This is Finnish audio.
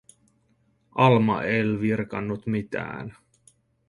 Alma el virkkanut mitään.